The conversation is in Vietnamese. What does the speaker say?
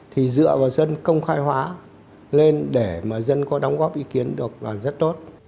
thì dựa vào dân công khai hóa lên để mà dân có đóng góp ý kiến được là rất tốt